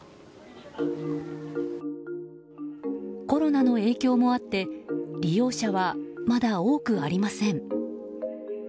コロナの影響もあって利用者は、まだ多くありません。